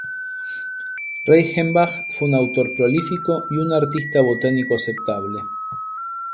Reichenbach fue un autor prolífico y un artista botánico aceptable.